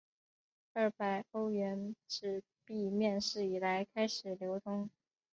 二百欧元纸币面世以来开始流通。